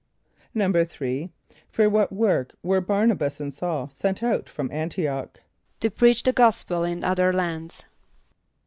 = =3.= For what work were Bär´na b[)a]s and S[a:]ul sent out from [)A]n´t[)i] och? =To preach the gospel in other lands.